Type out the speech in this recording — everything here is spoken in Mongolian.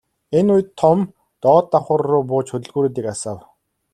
Энэ үед Том доод давхарруу бууж хөдөлгүүрийг асаав.